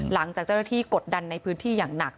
หลังจากเจ้าหน้าที่กดดันในพื้นที่อย่างหนัก